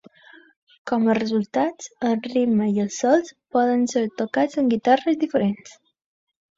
Com a resultat, el ritme i els sols poden ser tocats amb guitarres diferents.